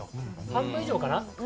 半分以上かな。